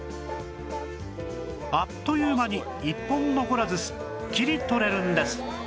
あっという間に一本残らずスッキリ取れるんです